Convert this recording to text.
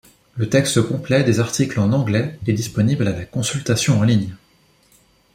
Le texte complet des articles en anglais est disponible à la consultation en ligne.